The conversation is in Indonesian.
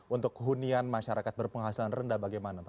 untuk kehunian masyarakat berpenghasilan rendah bagaimana pak